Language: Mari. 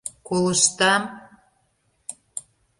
Колыштам!